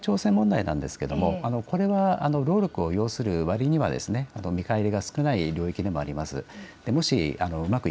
北朝鮮問題なんですがこれは労力を要するわりには見返りが少ない領域でもあります。